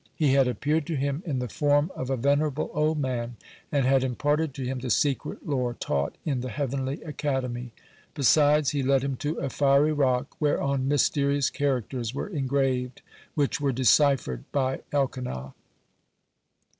He had appeared to him in the form of a venerable old man, and had imparted to him the secret lore taught in the heavenly academy. Besides, he led him to a fiery rock whereon mysterious characters were engraved, which were deciphered by Elkanah.